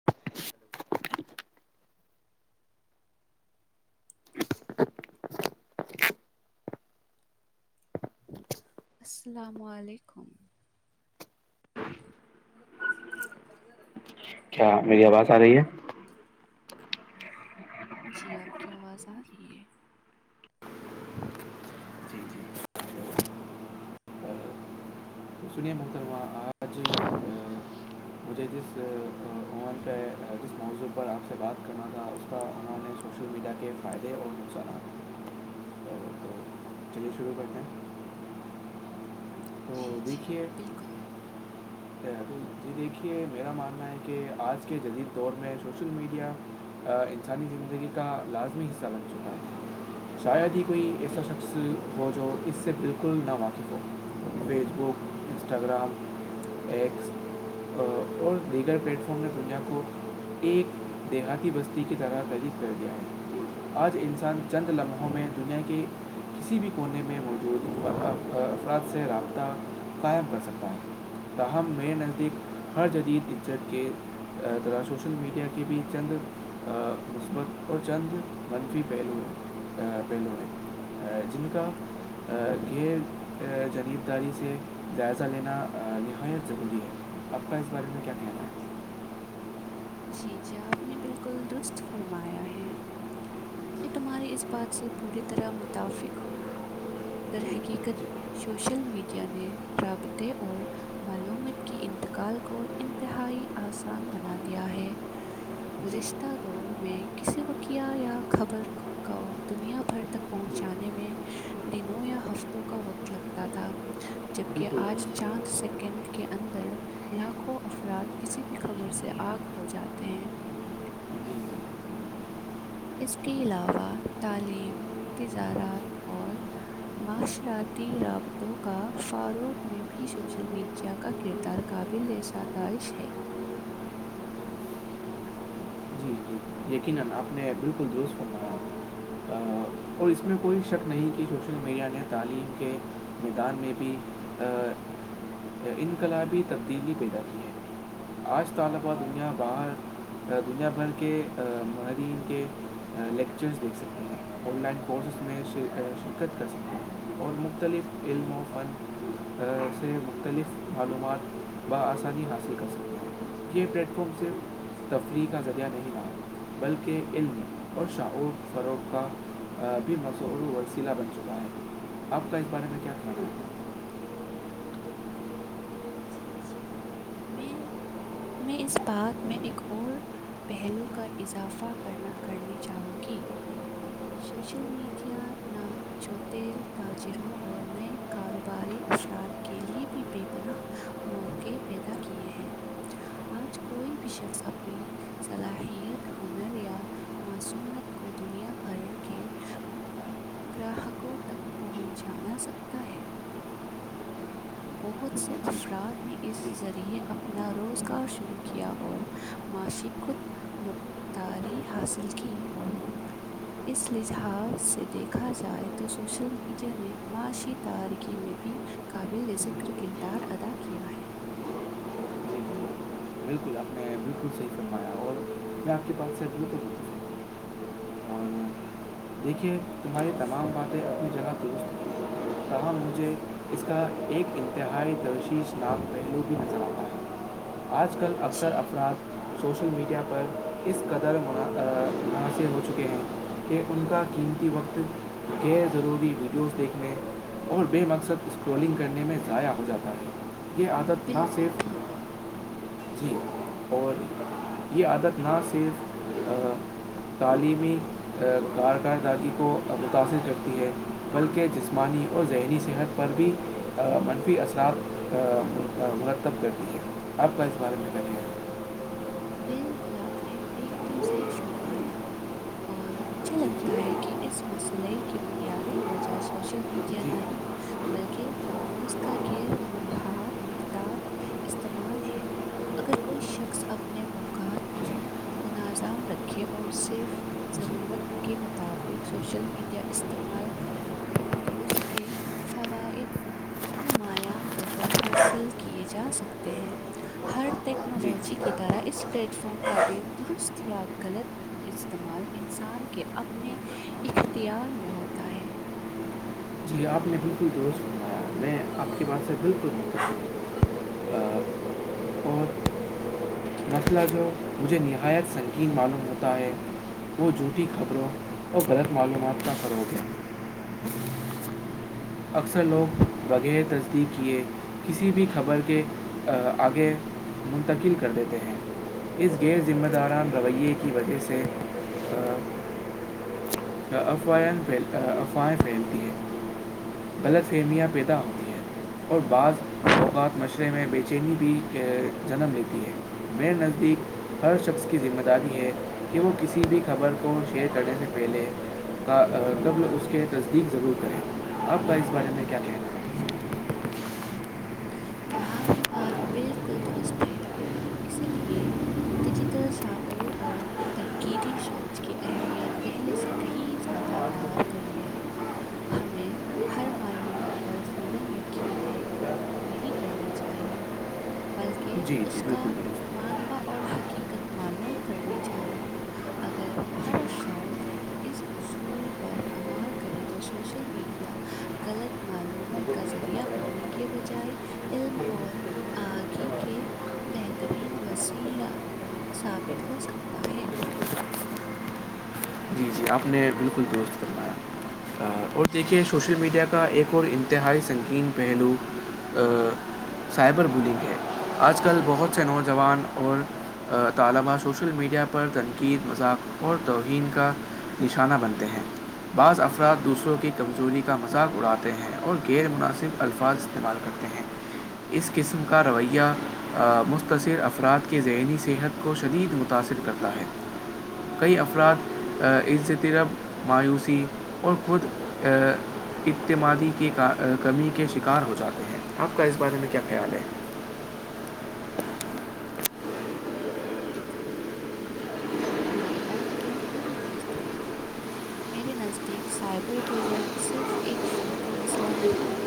Hello السلام علیکم م پس میں ہے چارر ہے کیا میری آواز آ رہی ہے جی آپ کی آواز آ رہی ہے ہ [unintelligible] جی جی تو سنیا مختروا آ آج مجھے جس جی پرر آپ سے بات کرنا تھا اس کا انہوں نے سوشل میڈیا کے فائدے اور نقصانات شرو کرتے ہیں تو جی جی دیکھیے بالکل [inaudible] جی دیکھیے میرا ماننا ہے کہ آج کے جدید دور میں سوشل میڈیا انسانی زندگی کا لازمی حصہ بن چکا ہے ج شاید ہی کوئی ایسا شخص ہو جو اس سے بالکل نہ واقف ہو فیس بک انسٹاگرام عیکس اور دیگر پلیٹ فارم نے دنیا کو ایک دیہاتی بستی کی طرح للیف کر گیا ہے آج انسان چند لمحوں میں دنیا کے کسی بھی کونے میں موجود افراد سے راب قائم کر سکتا ہے تاہم میرے نزدیک ہر جدید عزت کے طذرح سوشل میڈیا کے بھی چند مثبت اور چند منفی پہلوئے پہلوں نے جن کا ہاں یہ جلیعے داری سے جائزہ لینا نہایت ضروری ہے آپ کا اس بارے میں کیا کہنا ہے جی جی آپ نے بالکل درست فرمایا ہے میں تمہاری اس بات سے پوری طرح متفق ہوں ا درحقیقت سوشل میڈیا نے رابطے اور معلومت کی انتقال کو انتہائی آسان بنا دیا ہے ہے جی گزشتہ دور میں کسی وقیہ یا خبر کو دنیا بھر تک جی پہنچانے میں دنوں یا ہفتوں کا وقت لگتا تھا جبکہ آج بالکل چند سیکنڈ کے اندر لاکھوں افراد کسی بھی خبر سے آگاہ ہو جاتے ہیں اس کے علاوہ تعلیم تجارت اور معاشرتی رابطوں کا فاروغ میں بھی سوشل میڈیا کا کردار تر قابل ستائش ہے جی جی یقینن آپ نے بالکل درست فرمایا اور اس میں کوئی شک نہیں کہ سوشل میڈیا نے تعلیم کے میدان میں بھی آ، انقلابی تبدیلی پیدا کی ہے آج طلب دنیا باہر دنیا بھر کے آ، کے لیکچرس دیکھ سکتے ہیں آن لائن کورسز میںشن شرکت کر سکیں اور مختلف علم و فن سے مختلف معلومات بآسانی حاصل کر سکتے ہیں یہ پلیٹ فارم صرف تفریح کا ذریعہ نہیں تھاتا بلکہ علم اور شاعور فروغ کا بھی وسلا بن چکا ہے آپ کا اس بارے میں کیا کہنا ہے جی جی میں میں اس بات میں ایک اور پہلو کا اضافہ کرنا کرنی چاہوں گی سوشل میڈیا نا چوٹھے تاجروں اور نئے کاروباری افراد کے لئے بھی بے پناہ موقع پیدا کیے ہیں آج کوئی بھی شخص اپنی صلاحیت ہنر یا معصونت کو دنیا بھر کے گراہکوں تک پہچانا سکتا ہے بہت جی سے جی افراد نے اس جی ذریعے اپنا روزگار شروع کیا اور معاشی خود مختاری حاصل کی اس لحاظ سے دیکھا جائے تو سوشل میڈیا نے معاشی تارکی میں بھی قابل ذکر کردار ادا کیا ہے بکل بالکل آپ نے بالکل صحیح فرمایا اور [inaudible] ہوں۔ اور دیکھیے تمہاری تمام باتیں اپنی جگہ مجھے اس کا ایک [inaudible] پچیس لاکھ پہلو بھی نظر آتا ہے آج کل اکثر جی افراد سوشل میڈیا پر اس قدر منحصر ہو چکے ہیں کہ ان کا کیا قیمتی وقت غیر ضروری ویڈیوز دیکھنے اور بے مقصد اسکرولنگ کرنے میں ضائع ہو جاتا ہے یہ عادت نہ بالکل صرف بالکل جی اور یہ عادت نہ صرف تعلیمی کارک کردگی کو متاثر کرتی ہے بلکہ جسمانی اور ذہنی صحت پر بھی منفی اثرات مرتب کرتی ہے اب کا اس بارے میں کرنے بالکل آپ نے ایک دم صحیح فرمایا اور مجھے جی لگتا ہے جی کہ اس مسئلے کی بنیادی وجہ سوشل میڈیا جی نہیں بلکہ اس کا غیر محتاط استعمال ہے اگر کوئی شخص اپنے اوقات کو مناظام رکھے اور صرف ضرورت کے مطابق سوشل میڈیا استعمال کریں تو اس کے فوائد نمایاں پر حاصل کیے جا سکتے ہیں ہر جی ٹیکنالوجی کی طرح اس پلیٹ فارم کا بھی درست یا غلط استعمال انسان کے اپنے اختیار میں ہوتا ہے جی آپ نے بالکل درست بنایا میں آپ کے بات سے بالکل متفق ہوں اور مسئلہ جو مجھے نہایت سنگین معلوم ہوتا ہے وہ جھوٹی خبروں اور غلط معلومات کا فروغ ہے اکثر لوگ بغیر تصدیق کیے کسی بھی خبر کے آگے منتقل کر دیتے ہیں اس غیر ذمہ داران رویے کی وجہ سے افواہھی افواہیں پھیلتی ہے غلط فہمیا پیدا ہوتی ہیں اور بعض اوقات مشرے میں بے چینی بھی جنم لیتی ہے میرے نزدیک ہر شخص کی ذمہ داری ہے کہ وہ کسی بھی خبر کو شیئر کرنے پہلے کا تب اس کے تصدیق ضرور کریں آپ کا اس بارے میں کیا کہنا ہے تمہاری بات بالکل درست ہے اسی لیے ڈیجیٹل شاہ اور تنقیدی شوچ کی اہمیت پہلے سے کہیں زیادہ بار گئی ہے ہمیں ہر معلومات پر فورا یقین ہے نہیں کرنا چاہیے بلکہ جی جی اس کا بالکل بالکل مان با اور حقیقت معلوم کرنی چاہیے اگر ہر فرض اس اصول پر عمال کرے تو سوشل میڈیا غلط معلومات کا ذریعہ بننے کے بجائے علم اور آگی کے بہترین وسیلا ثابت ہو سکتا ہے جی جی آپ نے بالکل درست کروایا اور دیکھیے سوشل میڈیا کا ایک اور انتہائی سنگین پہلو سائبر بلنگ ہے آج کل بہت سے نوجوان اور طلبہ سوشل میڈیا پر تنقید مذاق اور توہین کا نشانہ بنتے ہیں بعض افراد دوسروں کی کمزوری کا مذاق اڑاتے ہیں اور غیر مناسب الفاظ استعمال کرتے ہیں اس قسم کا رویہ مختصر افراد کے ذہنی صحت کو شدید متاأثر کرتا ہے [inaudible] کئی افراد عز طرب مایوسی اور خود اعتمادی کی کمی کے شکار ہو جاتے ہیں آپ کا اس بارے میں کیا خیال ہے تم نے تمہاری بات نہیں کر دو تمہاری بات بالکل درست ہے میرے نزدیک سائبر بلنگ صرف ایک فردی مسئلہ نہیں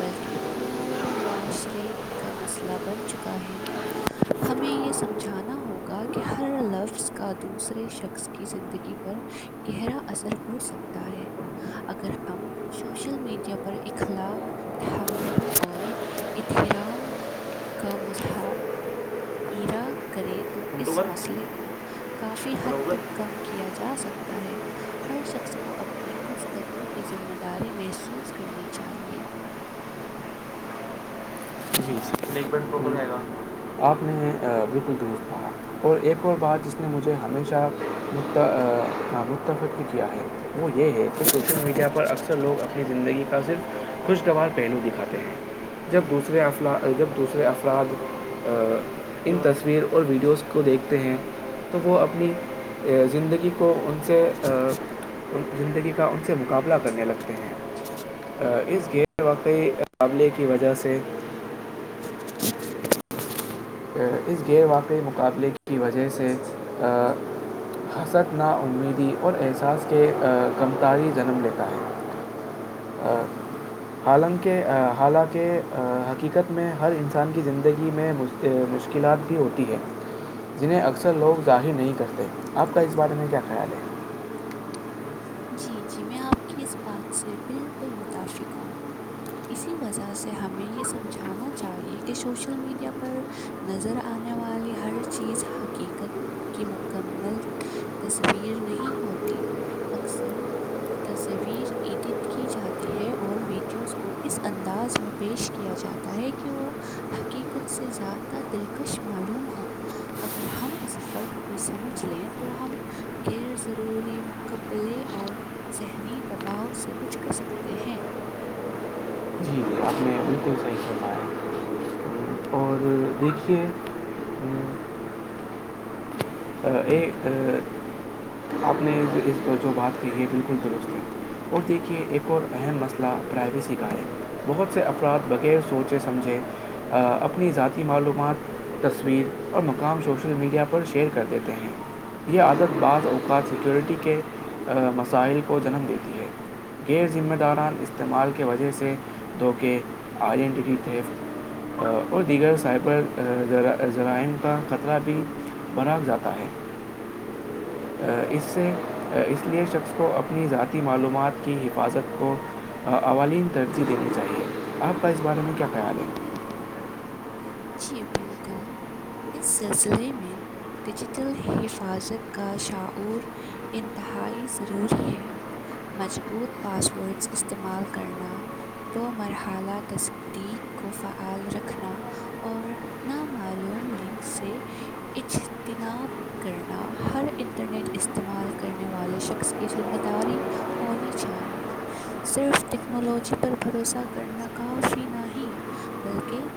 بلکہ پورے معاشرے کا مسئلہ بن چکا ہے ہمیں یہ سمجھانا ہوگا کہ ہر لفظ کا دوسرے شخص کی زندگی پر گہرا اثر پڑ سکتا ہے اگر ہم سوشل میڈیا پر اخلاق تحمل اور احرام کا مضحق ایرا کریں تو اس مسئلے کو کافی حد ہے تک کم کیا جا سکتا ہے ہر شخص کو اپنی گفتگو کی ذمہ داری محسوس کرنی چاہیے جی آپ نے بالکل درست کہا اور ایک اور بات ج نے مجھے ہمیشہ متفق بھی کیا ہے وہ یہ ہے کو سوشل میڈیا پر اکثر لوگ اپنی زندگی کا صرف خوشگوار پہلو دکھاتے ہیں جب دوسرے افلا اور جب دوسرے افراد ان تصویر اور ویڈیوز کو دیکھتے ہیں تو وہ اپنی زندگی کو ان سے ان زندگی کا ان سے مقابلہ کرنے لگتے ہیں اس غیر واقعی مقابلے کی وجہ سے [inaudible] اس غیر واقعی مقابلے کی وجہ سے حسد نا امیدی اور احساس کے کمتاری جنم لیتا ہے حالانکہ حالانکہ حقیقت میں ہر انسان کی زندگی میں م مشکلات بھی ہوتی ہے جنہیں اکثر لوگ ظاہر نہیں کرتے آپ کا اس بارے میں کیا خیال ہے جی جی میں آپ کی اس بات سے بالکل متفق ہوں اسی وجہ سے ہمیں یہ سمجھانا چاہیے کہ شوشل میڈیا پر نظر آنے والی ہر چیز حقیقت کی مکمل تصویر نہیں ہوتی اکثر تصویر ایڈٹ کی جاتی ہے اور ویڈیوز کو اس انداز میں پیش کیا جاتا ہے کہ وہ حقیقت سے زیادہ دلکش معلوم ہو اگر ہم اس فرق کو سمجھ لیں تو ہم غیر ضروری قبلے اور ذہنی دباؤ سے بچ کر سکتے ہیں جی جی آپ نے ابھی تو صحیح کہنا ہے اور تو دیکھیے یہ اپنے اور جو بات کےیے بالکل درستی اور دیکھیے ایک اور اہم مسئلہ پرائیویسی کا ہے بہت سے افراد بغیر سوچے سمجھے اپنی ذاتی معلومات تصویر اور مقام شوشل میڈیا پر شیئر کر دیتے ہیں یہ عادت بعض اوقات سکیورٹی کے مسائل کو جنم دیتی ہے غیر ذمہ داران استعمال کی وجہ سے دو کہ آئیڈینٹیٹی تھے اور دیگر سائبر جذرائم کا خطرہ بھی برگ جاتا ہے اس سے اس لیے شخص کو اپنی ذاتی معلومات کی حفاظت کو اوالین ترجیح دینی چاہیے آپ کا اس بارے میں کیا خیال ہے جی بالکل اس سلسلے میں ڈیجیٹل حفاظت کا شعور انتہائی ضروری ہے مضبوط پاس ورڈس استعمال کرنا دو مرحلہ تصدیق کو فعال رکھنا اور نامعلوم لنک سے اجتناب کرنا ہر انٹرنیٹ استعمال کرنے والے شخص کی ذمہ داری ہونی چاہیے صرف ٹیکنالوجی پر بھروسہ کرنا کافی نہیں بلکہ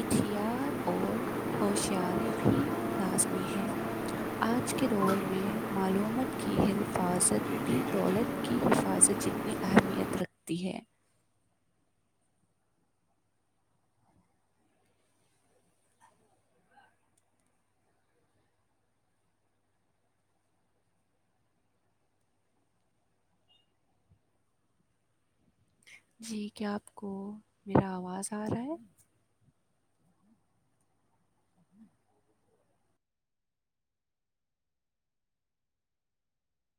اتیاط اور ہوشیاری بھی لازمی ہیں آج کے دور میں معلومات کی حفاظت بھی دولت کی حفاظت جتنی اہمیت رکھتی ہے جی کیا آپ کو میرا آواز آ رہا ہے ہ